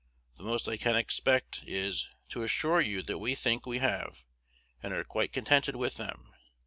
The most I can expect is, to assure you that we think we have, and are quite contented with them.